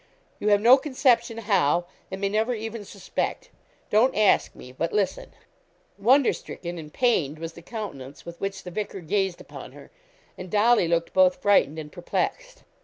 You have no conception how, and may never even suspect. Don't ask me, but listen.' Wonder stricken and pained was the countenance with which the vicar gazed upon her, and Dolly looked both frightened and perplexed.